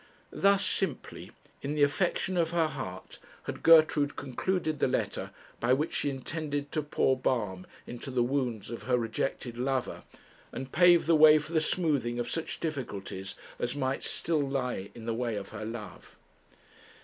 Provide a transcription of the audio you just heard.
Thus simply, in the affection of her heart, had Gertrude concluded the letter by which she intended to pour balm into the wounds of her rejected lover, and pave the way for the smoothing of such difficulties as might still lie in the way of her love.